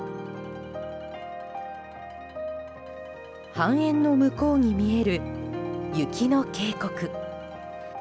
半円の向こうに見える雪の渓谷。